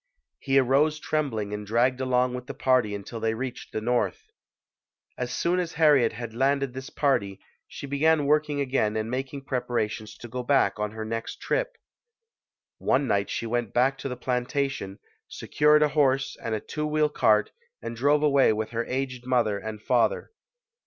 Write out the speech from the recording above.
He arose trembling and dragged along with the party until they reached the North. As soon as Harriet had landed this party, she began working again and making preparations to go back on her next trip. One night she went back to the plantation, secured a horse and a two wheel cart and drove away with her aged mother and father.